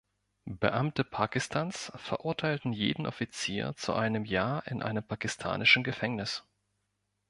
Beamte Pakistans verurteilten jeden Offizier zu einem Jahr in einem pakistanischen Gefängnis.